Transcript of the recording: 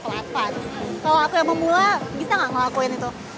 kalau aku yang memula bisa nggak ngelakuin itu